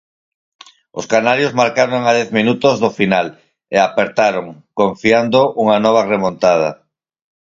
Os canarios marcaron a dez minutos do final e apertaron, confiando unha nova remontada.